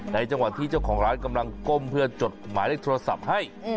จังหวะที่เจ้าของร้านกำลังก้มเพื่อจดหมายเลขโทรศัพท์ให้